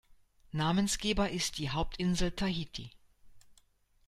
Namensgeber ist die Hauptinsel Tahiti.